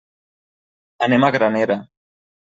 Anem a Granera.